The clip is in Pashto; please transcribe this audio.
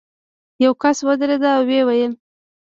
یو کس ودرېد او ویې ویل.